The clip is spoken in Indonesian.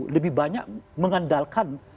lebih banyak mengandalkan